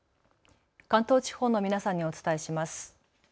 関東地方の皆さんにお伝えします。